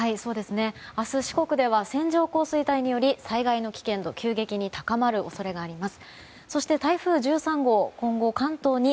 明日、四国では線状降水帯により災害の危険度急激に高まる恐れがあります。